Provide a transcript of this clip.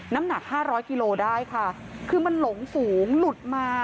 น้ำหนักห้าร้อยกิโลได้ค่ะคือมันหลงฝูงหลุดมา